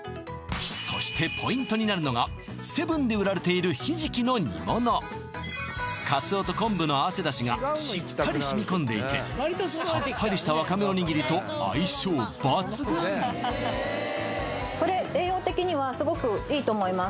そしてポイントになるのがセブンで売られているひじきの煮物鰹と昆布の合わせだしがしっかり染みこんでいてさっぱりしたわかめおにぎりと相性抜群と思います